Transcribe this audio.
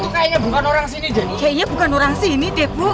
kayaknya bukan orang sini depo